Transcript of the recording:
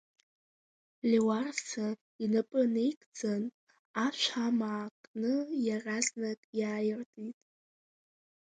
Леуарса инапы неигӡан, ашә амаа кны иаразнак иааиртит.